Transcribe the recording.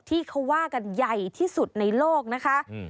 ที่เขาว่ากันใหญ่ที่สุดในโลกนะคะ